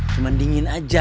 cuma dingin saja